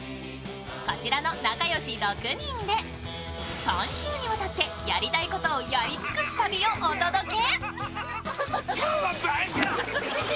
こちらの仲よし６人で、３週にわたってやりたいことをやり尽くす旅をお届け！